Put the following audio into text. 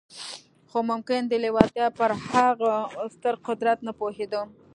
خو ممکن د لېوالتیا پر هغه ستر قدرت نه پوهېده